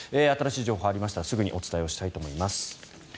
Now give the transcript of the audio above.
新しい情報がありましたらすぐにお伝えしたいと思います。